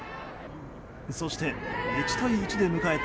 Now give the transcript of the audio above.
そして、１対１で迎えた